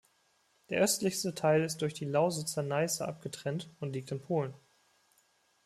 Der östlichste Teil ist durch die Lausitzer Neiße abgetrennt und liegt in Polen.